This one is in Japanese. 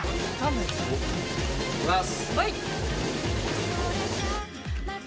行きます。